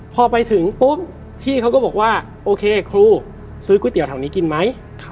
พอไปถึงปุ๊บพี่เขาก็บอกว่าโอเคครูซื้อก๋วยเตี๋ยแถวนี้กินไหม